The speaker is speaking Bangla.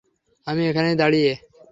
আমি এখানেই দাঁড়িয়ে।